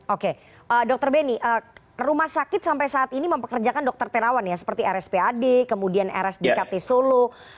oke dr beni rumah sakit sampai saat ini mempekerjakan dokter terawan ya seperti rspad kemudian rsdkt solo